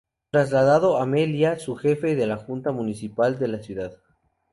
Trasladado a Melilla, fue jefe de la Junta Municipal de la ciudad.